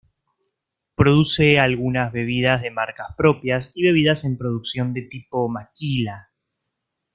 Produce algunas bebidas de marcas propias y bebidas en producción de tipo maquila.